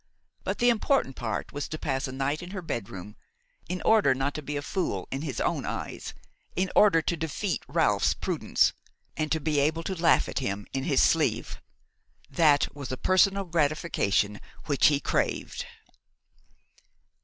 But the important point was to pass a night in her bedroom, in order not to be a fool in his own eyes, in order to defeat Ralph's prudence, and to be able to laugh at him in his sleeve. That was a personal gratification which he craved.